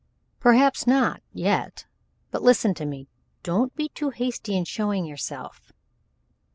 "Perhaps not yet, but listen to me. Don't be too hasty in showing yourself.